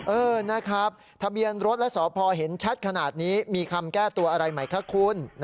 เออนะครับทะเบียนรถและสพเห็นชัดขนาดนี้มีคำแก้ตัวอะไรไหมคะคุณ